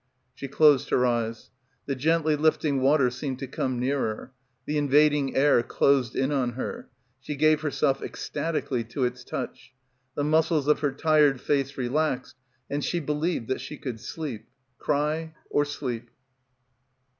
She closed her eyes. The gently lifting water seemed to come nearer; the in vading air closed in on her. She gave herself ecstatically to its touch; the muscles of her tired face relaxed and she believed that she could sleep; cry or sleep.